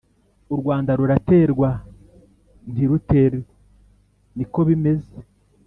urwanda ruraterwa ntiruterwniko bimezea